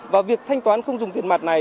và việc thanh toán không dùng tiền mặt này